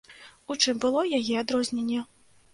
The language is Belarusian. У чым было яе адрозненне?